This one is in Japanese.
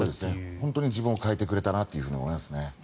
本当に自分を変えてくれたなと思うんです。